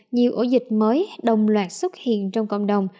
nhiều ổ dịch mới đồng loạt xuất hiện trong cộng đồng